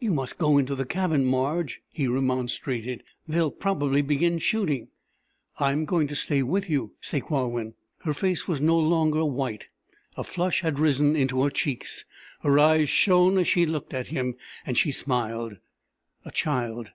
"You must go into the cabin, Marge," he remonstrated. "They will probably begin shooting...." "I'm going to stay with you, Sakewawin." Her face was no longer white. A flush had risen into her cheeks, her eyes shone as she looked at him and she smiled. A child!